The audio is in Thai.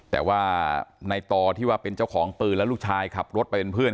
แต่ว่าในต่อที่ว่าเป็นเจ้าของปืนและลูกชายขับรถไปเป็นเพื่อน